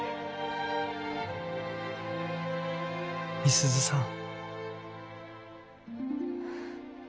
美鈴さん。